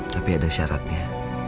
tapi ada syaratnya